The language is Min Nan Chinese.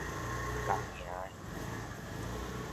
仝營的